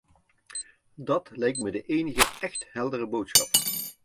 Dat lijkt me de enige écht heldere boodschap.